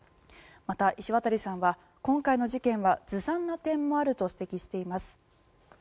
また石渡さんは今回の事件はずさんな点もあると指摘しています。